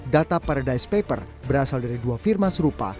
data paradise paper berasal dari dua firma serupa